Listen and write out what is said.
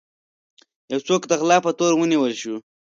يو څوک د غلا په تور ونيول شو.